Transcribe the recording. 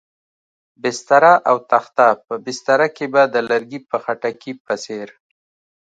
بستره او تخته، په بستره کې به د لرګي په خټکي په څېر.